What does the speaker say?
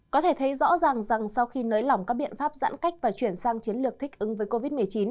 có thể thấy rõ ràng rằng sau khi nới lỏng các biện pháp giãn cách và chuyển sang chiến lược thích ứng với covid một mươi chín